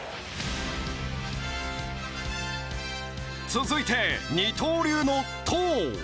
続いて二刀流の「投」！